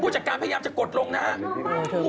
จากการพยายามจะกดลงนะครับ